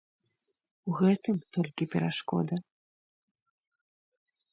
У гэтым толькі перашкода?